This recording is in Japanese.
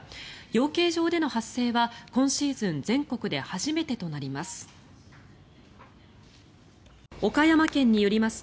養鶏場での発生は、今シーズン全国で初めてとなります。